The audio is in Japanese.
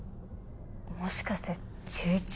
もしかして中１？